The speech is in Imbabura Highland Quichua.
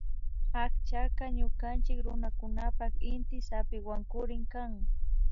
Akchaka ñukanchik runakunapan inty zapiwankurik kan